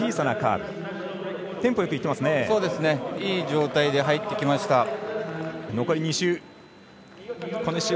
いい状態で入ってきました。